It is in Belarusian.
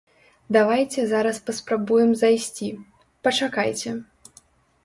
Давайце зараз паспрабуем зайсці, пачакайце.